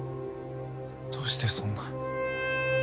どうしてそんな。